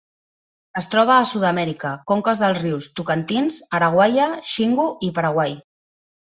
Es troba a Sud-amèrica: conques dels rius Tocantins, Araguaia, Xingu i Paraguai.